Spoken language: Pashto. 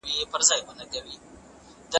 ښوونکي وویل چي مینه مهمه ده.